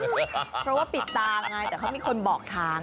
เพราะว่าปิดตาไงแต่เขามีคนบอกทาง